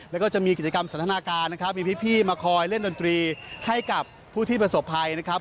แล้วก็จะมีกิจกรรมสันทนาการนะครับมีพี่มาคอยเล่นดนตรีให้กับผู้ที่ประสบภัยนะครับ